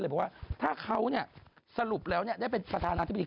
บอกว่าถ้าเขาสรุปแล้วได้เป็นประธานาธิบดี